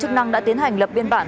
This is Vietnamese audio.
chức năng đã tiến hành lập biên bản